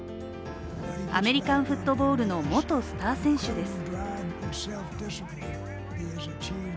アメリカンフットボールの元スター選手です。